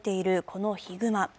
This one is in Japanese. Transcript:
このヒグマ。